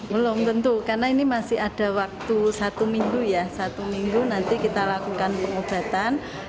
belum tentu karena ini masih ada waktu satu minggu ya satu minggu nanti kita lakukan pengobatan